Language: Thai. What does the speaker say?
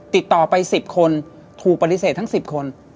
ติดต่อไป๑๐คนถูกปฏิเสธทั้ง๑๐คน